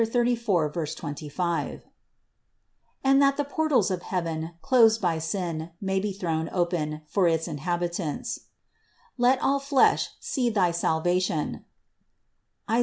34, 25) earth, and that the portals of heaven, closed by sin, may be thrown open for its in habitants. Let all flesh see thy salvation (Is.